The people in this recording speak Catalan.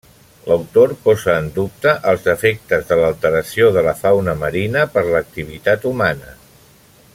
L'autor posa en dubte els efectes de l'alteració de la fauna marina per l'activitat humana.